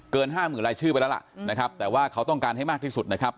ห้าหมื่นรายชื่อไปแล้วล่ะนะครับแต่ว่าเขาต้องการให้มากที่สุดนะครับ